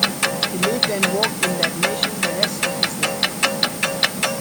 He lived and worked in that nation the rest of his life.